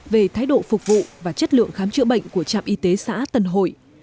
về thái độ phục vụ và chất lượng khám chữa bệnh của trạm y tế xã tân hội